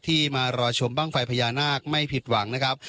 มารอชมบ้างไฟพญานาคไม่ผิดหวังนะครับ